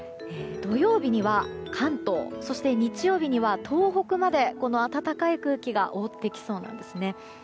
土曜日には関東そして日曜日には東北までこの暖かい空気が覆ってきそうなんですね。